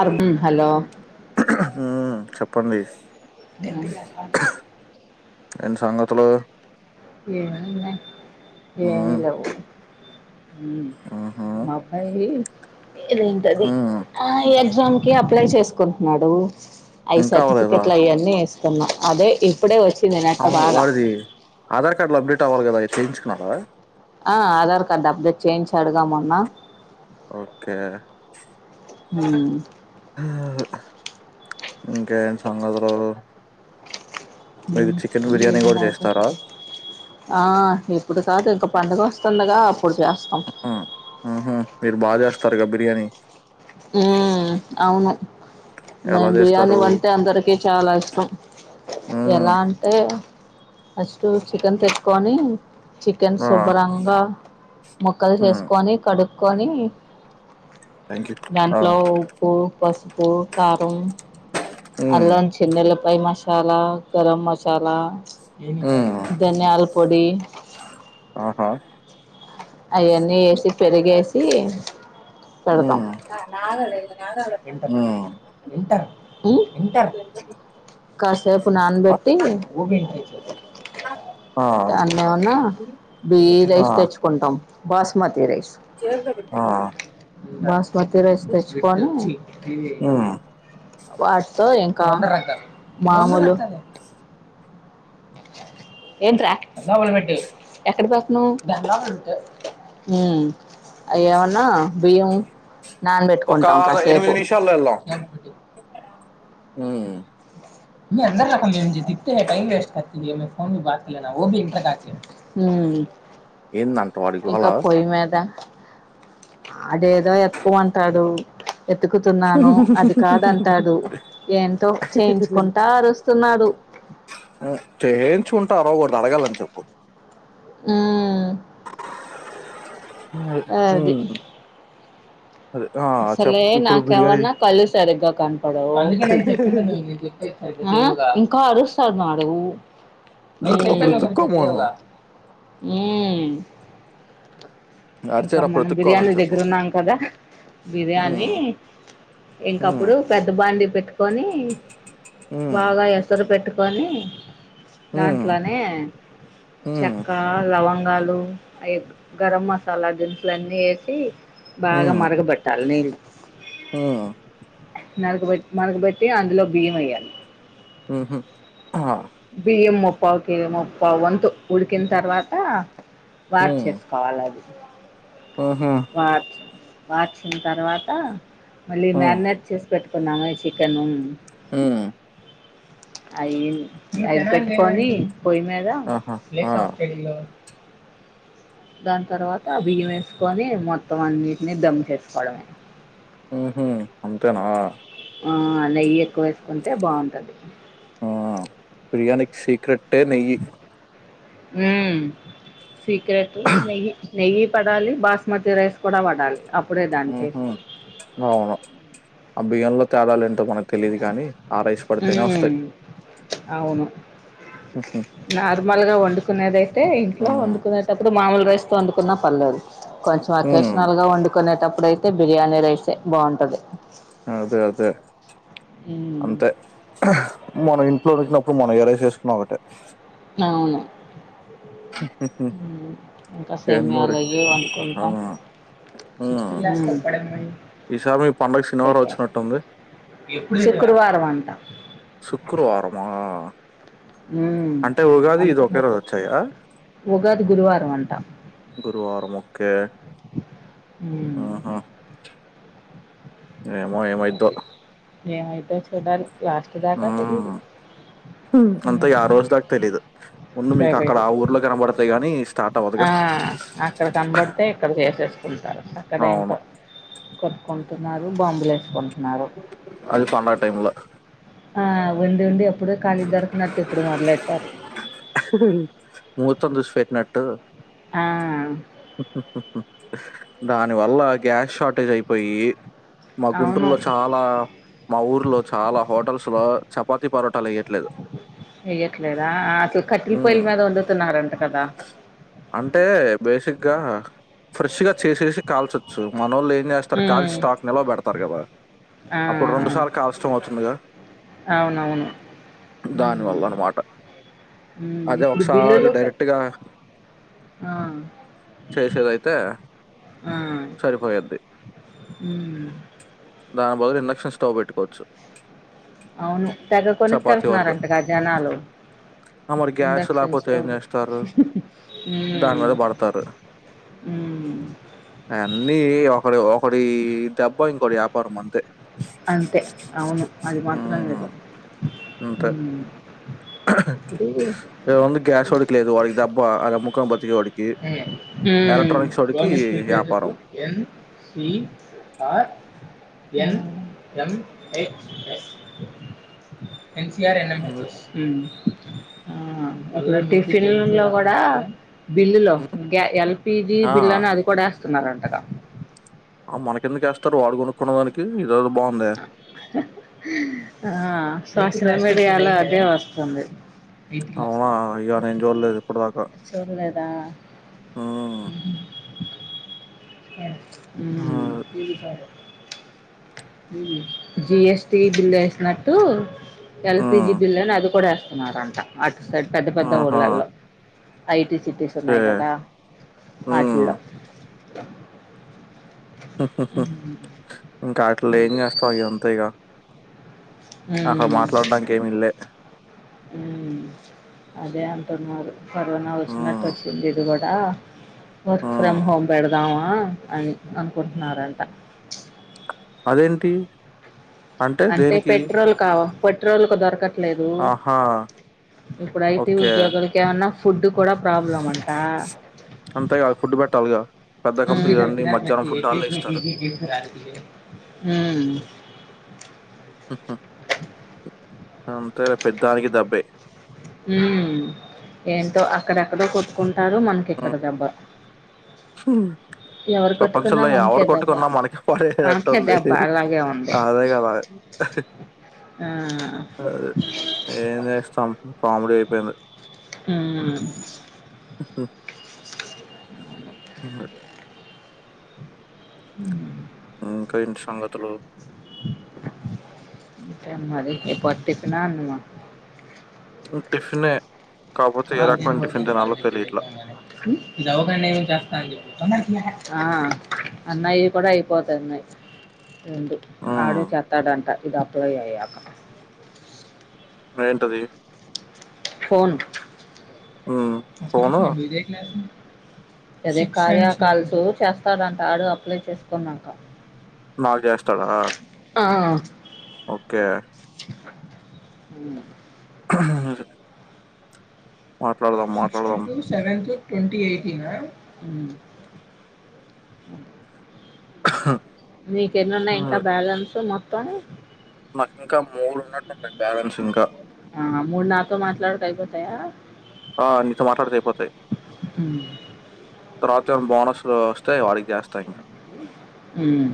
అర్ధం హలో ఉమ్ చెప్పండి టెన్త్ క్లాస్ హాల్ టికెట్ ఎంటి సంగతులు ఏమున్నాయ్ ఎమి ఉమ్ లెవ్ హ్మ్ ఉహు మా అబ్బాయి ఇదేంటది ఉమ్ ఆ ఎగ్జామ్ కి అప్లై చేసుకుంటున్నాడు. అయి ఇంకా అవ్వలేదా సర్టిఫికెట్లు అయాన్నీ ఇస్తున్నా అదే ఇప్పుడే వచ్చింది నేనట్ట అవును బాగా వాడిది ఆధార్ కార్డులో అప్డేట్ అవ్వాలి కదా అయి చేయించుకున్నాను. ఆ ఆధార్ కార్డ్ అప్డేట్ చేయించాడుగా మొన్న ఓకే హ్మ్ ఇంకేం సంగతులు మీరు హ్మ్ చికెన్ బిర్యానీ లేేదండ్ కూడా మాకు చేస్తారా ఆ ఇప్పుడు కాదు ఇంక పండుగొస్తుందిగా అప్పుడు చేస్తాం. బా చేస్తారుగా బిర్యానీ ఊమ్ అవును ఎలా మేము బిర్యానీ చేస్తారు వంతే అందరికీ చాలా ఇష్టం ఉమ్ ఎలా అంటే ఫస్టు చికెన్ తెచ్కొని చికెన్ ఆ శుభ్రంగా ముక్కలు ఉమ్ చేసుకొని కడుక్ కొనీ థ్యాంక్ యూ ఆ దాంట్లో ఉప్పు, పసుపు, కారం ఉమ్ అల్లం చిన్నెల్లిపాయ్ మసాలా గరం మసాలా ఉమ్ ధన్యాల్ పొడి ఆహా అయన్నీ యేసి పెరుగేసి ఊ ఊహ్ ఉహ్ కాసేపు నానబెట్టి ఆ దాన్నేమన్నా బీ రైస్ తెచ్చుకుంటాం బాస్మతి రైస్ ఆహ్ అ బాస్మతి రైస్ తెచ్చుకొని ఉమ్ వాటితో ఇంక్ కా మామూలు ఏంట్రా ఎక్ డ పోతున్నావ్ హ్మ్ అయెమన్నా బియ్యము ఒక నానబెట్టుకుంటాం ఎనిమిది కాసేపు నిమిషాల్లో హ్మ్ మ్మ్ ఏందంట వాడి గోల ఇంకా పొయిమేదా ఆడేదో ఎత్కమంటాడు ఎతుకుతున్నాను. అది కాదంటాడు ఏంటో చేయించుకుంటా అరుస్తున్నాడు. చేయించుకుంటే అరవకూడదు అడగాలని చెప్పు ఊమ్ ఉమ్ అదే ఆ చెప్ అసలే ఇప్పుడు బిర్యానీ నాకేవన్నా కళ్ళు సరిగ్గా కనపడవు. అహ్ ఇంకా అరుస్తాన్నాడు ఊ అప్పుడు ఎతుక్కోమను మ్ ఇంక అరిచేరు అప్పుడు మనం బిర్యానీ ఎతుక్కోవాలని చెప్పు దగ్గరున్నాం కదా ఉమ్ బిర్యానీ ఉమ్ ఇంకప్పుడు పెద్ద బాండి పెట్ కొని బాగా ఉమ్ ఎసరు పెట్టుకొని దాంట్లోనే ఉమ్ చెక్కా లవన్ గాలు అయి గరం మసాలా దినుసులు అన్నీ యేసి బాగా ఉమ్ మరగబెట్ అల్లివ్ ఉమ్ నరగబెట్ మరగబెట్టి అందులో బియ్యం యేయ్యాలి. ఉహు హ బియ్యం ముప్పాకి ముప్ప వంతు ఉడికిన్ తర్వాత వార్ ఉమ్ చేసుకోవాలి అది ఉహు వాచ్ వాచ్చిన తర్వాత మళ్ళీ ఉమ్ మాగ్నెట్ చేసి పెట్టుకు ఇప్పు నాయ్ చికెను ఊ ఐన్ ఐ పెట్టుకొని పోయి మేదా ఆహా ఆ లేస్ అఫ్ గేళ్లు దాని తర్వాత బియ్యం వేసుకొని మొత్తం అన్నిటిని దమ్ చేసుకోవడమే. ఉహు అంతేనా ఆ నెయ్యి ఎక్కువ వేసుకుంటే బావుంటది. ఆ ప్రియాణికి సీక్రెట్టే నెయ్యి ఉమ్ సీక్రెట్ నెయ్యి నెయ్యి పడాలి బాస్మతి రైస్ కూడా పడాలి. అప్ ఉహు అవును ఆ బియంలో తేడాలు ఏంటో మనకు తెలిదు కాని ఉమ్ అవును ఉహు నార్మల్ గా వండుకునేదయితే ఇంట్లో ఉమ్ వండుకునేటప్పుడు మామూల్ రైస్ తో వండుకున్నా పర్లేదు కొంచెం ఉమ్ అకేషనల్గా వండుకునేటప్ ఇప్పుడైతే బిర్యానీ రైసే బావుంటది. అదే అదే అంతే అహ మనం ఇంట్లో ఉడికి నప్పుడు మనం ఎరైస్ ఏసుకున్నా ఒకటే అవును హుహు. ఇంకా ఏం మరి సేమ్యాలు అయి ఆ వంకుంటం ఉమ్ ఊ ఈసారి మీ పండగ శనివారం తెటె వచ్చినట్టుంది శుక్రవారం అంట శుక్రవారమా ఉ అంటే ఉగాది ఇది ఒకే అంటున్నారు రోజు వచ్చాయా ఉగాది గురువారం అంటా గురువారము ఒక్కే మ్ ఏమో ఏమైద్ధో ఏమైద్ధో చూడాలి చూ దాకా తెలిదు మ్ అంతా ఆ రోజు దాకా తెలీదు. ముందు మీకు అక్కడ చూడలేదు ఆ ఊర్లో కనబడుతాయి గాని స్టార్ట్ అవ్వదుగా ఆ అక్కడ కనబడితే ఇక్కడ చేసెసుకుంటారు అక్కడ అవును ఏంటో కొ కొంటున్నారు బాంబులు ఎస్కొన్ అది పండగ టైమ్ల ఆ వండుండి ఎప్పుడు ఖాళీ దొరకనట్టు ఇప్పుడు మొదలెట్టాము. ఆహ్హుఉ మూర్తం చూసి పెట్టినట్టు. ఆ దాని వల్ల గ్యాస్ షార్టేజ్ అయిపోయి మా అవును గుంటూరులో చాలా మా ఊర్లో చాలా హోటల్స్ లో చపాతి పరోటాలయ్యే ఎయ్యట్లేదా ఆతు కట్లి పొయల్ ఉమ్, మీద వండుతున్నారంట కదా. ఆ ఫ్రెష్ గా చేసేసి కాల్చచ్చు మనోలే నేస్తారు కాల్చి ఉమ్, స్టాక్ నిలో పెడతారు కదా ఆ, అప్పుడు రెండు సార్లు కాల్ష్టం అవుతుందిగా. అవునవును ఉమ్, దానివల్ల అన్నమాట ఉమ్, అదే ఇప్పుడు ఒకసారీ బిల్లులు కట్- డైరెక్ట్గా ఆ, చేసేదైతే సరిపోయిద్ది. మ్ దాని బదులు ఇండక్షన్ స్టవ్ పెట్టుకోవచ్చు. అవును తెగ కొనిక్ చపాతీ వెళ్తున్నారంటగా జనాలు అ మరి గ్యాస్ ఇండక్షన్ లేకపోతే ఏం స్టవ్ చేస్తారు దాన్ మీ ఉమ్, దానే పడతారు ఉమ్, అయన్ని ఒకడ ఒకడీ దబ్బ ఇంకోడి వ్యాపార మనుకో తే అంతే హ్మ్మ్ హ్మ్ ఇడ ఉంది గ్యాస్ వోడికి లేదు వాడికి దేబ్బ అద్ అమ్ముకో హ్మ్ వాడికి వ్యాపారం ఈ ఆర్ ఎన్ ఎం ఎ హ్మ్. హ్మ్ ఆ ఇట్ల టిఫిన్ ల కూడా బిల్లులో హ్మ్. గ్యా ఎల్పిజి ఆ! బిల్లు అని అది కూడ వేస్తున్నారు అంటగా తరూ వాల్ కొనుక్కున్న దానికి ఇదేదో బావుందే! ఆ సోషల్ మీడియాలో అదే వస్తుంది అవునా! అయ్యో! నేను చూడలేదు ఇప్పటిదాకా. చూడలేదా హ్మ్. హ్మ్ జిఎస్టి బిల్లెవేసినట్టు హ్మ్. ఎల్పిజి బిల్ అని అది కూడ వేస్తున్నారంట అటు సైడ్ పెద్ద పెద్ద ఆహా! ఊర్లల్లో ఐటి సిటీస్ ఓకే. ఉన్నాయి కదా హ్మ్. వాటిల్లో ఇంకా అట్లే ఏం అది చేస్తావు అవి అంతే ఇగ అక్కడ హ్మ్ మాట్లాడడానికి ఏమి ఈల్లే. హ్మ్ అదే న్నారు కరోనా వచ్చినట్టు హ్మ్. వచ్చింది ఇది కూడా వర్క్ హ్మ్. ఫ్రమ్ హోమ్ పెడ దామా అని అనుకుంటున్నారంట అదేంటి అంటే పెట్రోల్ కావా పెట్రోల్కు దొరకట్లేదు ఆహా! ఇప్పుడు ఐటీ ఓకే. ఉద్యోగలకు ఏమన్న అంతేగా ఫుడ్టు పెట్టాలిగా పెద్ద హ్మ్ కంపెనీలన్నీ మధ్యాహ్నం ఫుడ్ ఆళ్ళే హ్మ్ ఇస్తారు. అంతే ప్రతిదానికి దబ్బే హ్మ్ ఏంటో అక్కడెక్కడో కొట్టు కుంటారు మనకి ఇక్కడ హ్మ్. దేబ్బ హ్మ్ కొట్టుకున్నా ప్రపంచంలో ఎవరు మనకే దెబ్బ కొట్టుకున్నా మనకే మనకే పడేటట్టుంది దెబ్బ అలాగే ఉంది అదే కదా ఆ, అహ్ ఏం చేస్తం పాముడీయి పెందీ హ్మ్ ఉంది హ్మ్ ఇంకా ఏంట సంగతులు ఇంకేం మరి ఈ పూట టి పిన అన్నామా టిఫనే ఆ అన్నయి కూడ అయిపోతన్నయి రెండు ఆడు హ్మ్. చేత్తాడంట ఇది అప్లై అయ్యాక ఏంటది ఫోను హ్మ్. ఫోను అదే కార్య కాల్స్ చేస్తాడంట ఆడు అప్లై చేసుకున్నాక నాకు చేస్తాడా ఆ, ఓకే హ్మ్ అదే సిక్సటీ టు, సెవెన్త్ ట్వంటీ, ఎయిటీనా నీకెన్నున్నాయి ఇంకా బ్యాలెన్సు మొత్తం నాక్ ఇంకా మూడు ఉన్నట్టుంటయి బ్యాలెన్స్ ఇంకా ఆ మూడు నాతో మాట్లాడ్తె అయిపోతాయా ఆ నీతో మాట్లాడతే అయిపోతయ్ హ్మ్ తర్వాత ఏమైనా బోనస్లు వస్తే వాడికి చేస్తా ఇంకా ఉమ్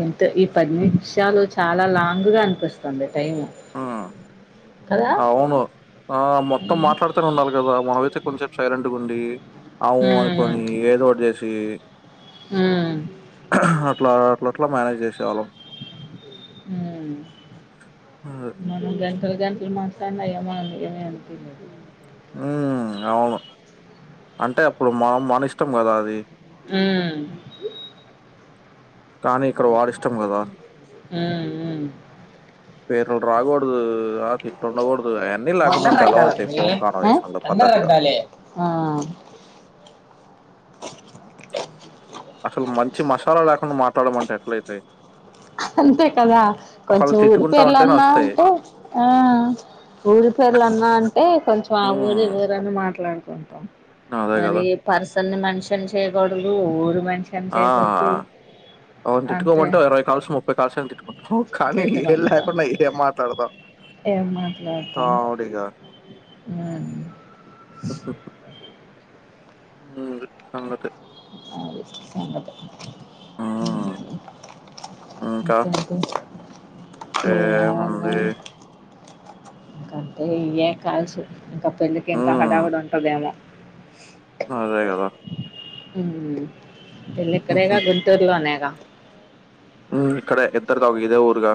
ఏంటో ఈ పది నిమిషాలు చాలా లాంగ్ గా అనిపిస్తుంది టైం. ఆ అవును ఆ మొత్తం మాట్లాడుతనే ఉండాలి కదా. మన ఐతే కొంసేపు సైలెంట్గాండి అవు ఉమ్ అనుకని ఏదోటి చేసి ఉమ్ ఆహ్ అట్లా అట్లాట్లా మేనేజ్ చేసి ఉమ్ మొన్న గా పది గంటలు మాట్లాడినా ఏమో ఏం అనిపియ్యలేదు హ్మ్. అవును. అంటే అప్పుడు మ మన ఇష్టం కదా అది ఉమ్ కానీ, ఇక్కడ వాడి ఇష్టం కదా ఉమ్ ఉమ్ పేర్లు రాకూడదు ఆ తిట్లు ఉండకూడదు. అయన్నీ లేకుండా అందరు ఉంటే ఎలా అవుతాయి రగ్డాలమ్మి ఫోన్ కాన్వర్జెషన్లు. ఆ అసలు మంచి మసాలా లేకుండా మాట్లాడమంటే ఎట్లైతై అంతే కదా కొంచెం ఊరి తిట్టుకుంటా ఉంటేనే పేర్లన్నా వస్తాయి. అంటే ఆ ఊరి పేర్ల అన్నా అంటే కొంచెం ఆ ఊరే ఈ హ్మ్. ఊరు అనీ మాట్లాడ మాట్లాడుకుంటాం అదే మరి గదా! పర్సన్ మషన్, చేయకూడదు ఊరు మష ఆ అవ్ను అంటే తిట్టుకొమంటె ఇరవై క కాల్స ముప్పై కాల్సని తిట్టుకు హు కానీ చేతి ఏం పనితో లేకుండా ఏం మాట్లాడదాం మాట్లాతం ఉమ్ ఉమ్ అది సంగతి అది సంగతి ఉమ్ హ్మ్. ఇంకా ఇంకేంటి ఏం ఏముంది? ఉన్నాయి ఇంక అంటే ఇయె కాలుసు ఇంకా పెళ్ళికి ఇంకా హ్మ్. హడావుడు ఉంటదేమో అదే కదా ఉమ్ పెళ్లి ఇక్కడేగా గుంటూరు లోనేగా ఉమ్ ఇక్కడే ఇద్దరు కా ఇదే ఊరుగా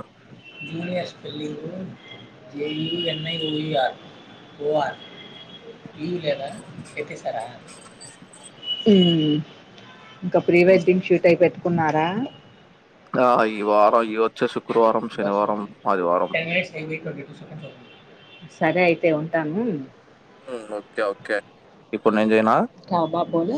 స్పెల్లింగ్ ఏ ఈ న్ యి ఓ యూ ర్ ఓ ర్ ఈ లేదా ఏతేసారా ఉమ్ ఇంకా ప్రీ వెడ్డింగ్ షూట్ అయి పెట్టుకున్నారా ఆ ఈ వారం ఈ వచ్చే శుక్రవారం, శనివారం, దర్శన్కి ఆదివారం. టెన్ మినిట్స్ అయిపోయి ట్వంటీ సరే అయితే ఉంటాను. ఉమ్ ఓకే ఓకే ఇప్పుడ్ నేంజెయ కె బా పోనీ